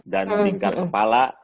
dan lingkar kepala